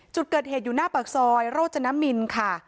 จุดเกิดเหตุอยู่หน้าปากซอยโรจนมินค่ะ